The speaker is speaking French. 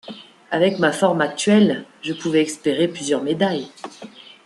Avec ma forme actuelle, je pouvais espérer plusieurs médailles.